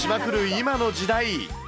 今の時代。